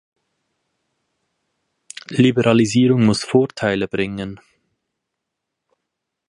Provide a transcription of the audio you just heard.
Liberalisierung muss Vorteile bringen.